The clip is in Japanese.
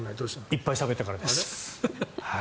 いっぱいしゃべったからです。